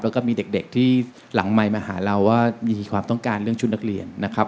แล้วก็มีเด็กที่หลังไมค์มาหาเราว่ามีความต้องการเรื่องชุดนักเรียนนะครับ